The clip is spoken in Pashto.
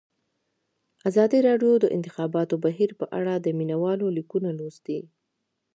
ازادي راډیو د د انتخاباتو بهیر په اړه د مینه والو لیکونه لوستي.